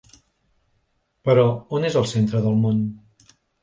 Però on és el centre del món?